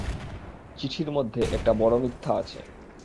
চিঠির মধ্যে একটা বড় মিথ্যা আছে।